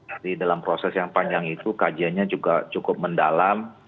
jadi dalam proses yang panjang itu kajiannya juga cukup mendalam